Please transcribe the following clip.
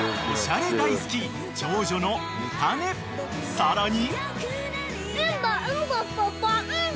［さらに］